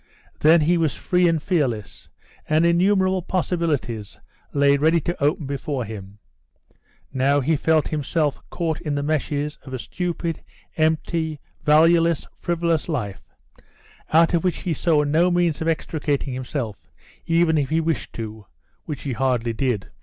Then he was free and fearless, and innumerable possibilities lay ready to open before him; now he felt himself caught in the meshes of a stupid, empty, valueless, frivolous life, out of which he saw no means of extricating himself even if he wished to, which he hardly did.